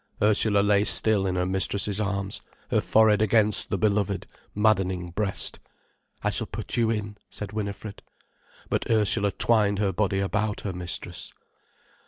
[Ursula lay still in her mistress's arms, her forehead against the beloved, maddening breast. "I shall put you in," said Winifred. But Ursula twined her body about her mistress.